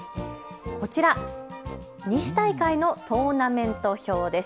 こちら西大会のトーナメント表です。